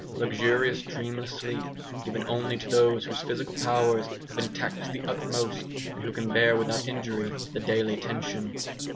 luxurious dreamless sleep, given only to those whose physical powers have been taxed to the utmost and who can bear without injury the daily tension.